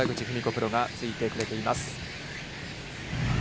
プロがついてくれています。